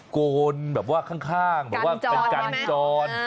โกนแบบว่าข้างแบบว่าเป็นกันจร